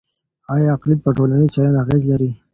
آيا اقليم پر ټولنيز چلند اغېز لري؟